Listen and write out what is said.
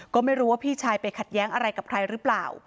ก็ไม่รู้ว่าพี่ชายไปขัดแย้งอะไรกับใครหรือเปล่า